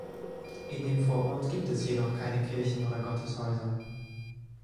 In dem Vorort gibt es jedoch keine Kirchen oder Gotteshäuser.